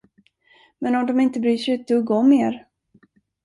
Men om de inte bryr sig ett dugg om er?